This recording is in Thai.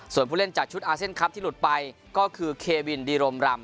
ส่วนผู้เล่นจากชุดอาเซียนคลับที่หลุดไปก็คือเควินดีรมรำ